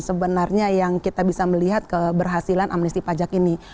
sebenarnya yang kita bisa melihat keberhasilan amnesti pajak ini